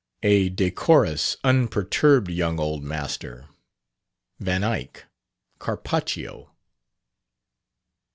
A decorous, unperturbed young old master ... Van Eyck ... Carpaccio....